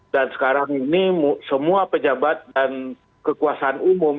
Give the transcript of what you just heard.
dan sekarang ini semua pejabat dan kekuasaan umum